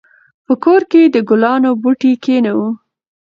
په کور کې د ګلانو بوټي کېنوو.